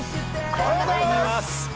おはようございます。